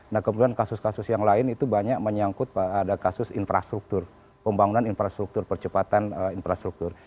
nah kemudian kasus kasus yang lain itu banyak menyangkut pada kasus infrastruktur pembangunan infrastruktur percepatan infrastruktur